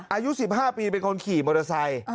อายุ๑๕ปีเป็นคนขี่มอเตอร์ไซค์